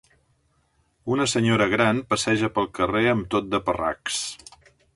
Una senyora gran passeja pel carrer amb tot de parracs.